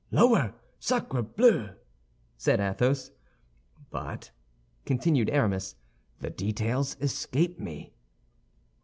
"Lower! sacré bleu!" said Athos. "But," continued Aramis, "the details escape me."